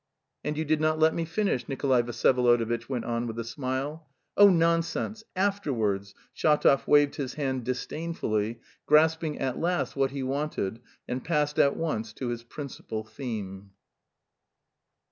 "And you did not let me finish," Nikolay Vsyevolodovitch went on with a smile. "Oh, nonsense, afterwards!" Shatov waved his hand disdainfully, grasping, at last, what he wanted, and passed at once to his principal theme.